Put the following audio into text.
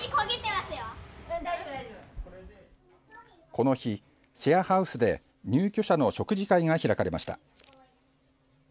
この日、シェアハウスで入居者の食事会が開かれました。